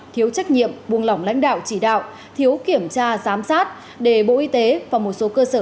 thiếu trách nhiệm buông lỏng lãnh đạo chỉ đạo thiếu kiểm tra giám sát để bộ y tế và một số cơ sở